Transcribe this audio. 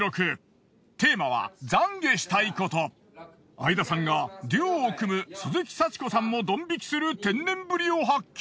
番組では相田さんがデュオを組む鈴木早智子さんもドン引きする天然ぶりを発揮。